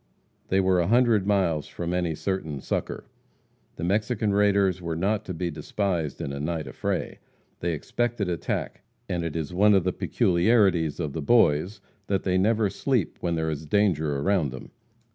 They were a hundred miles from any certain succor. The Mexican raiders are not to be despised in a night affray. They expected attack, and it is one of the peculiarities of the Boys, that they never sleep when there is danger surrounding them.